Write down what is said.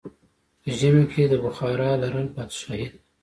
په ژمی کې بخارا لرل پادشاهي ده.